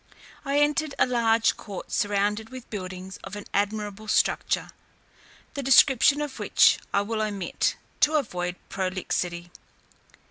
I entered a large court surrounded with buildings of an admirable structure, the description of which I will omit, to avoid prolixity.